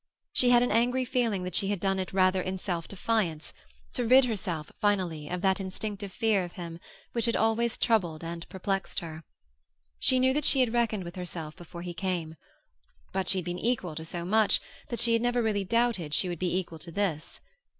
She had an angry feeling that she had done it rather in self defiance, to rid herself finally of that instinctive fear of him which had always troubled and perplexed her. She knew that she had reckoned with herself before he came; but she had been equal to so much that she had never really doubted she would be equal to this.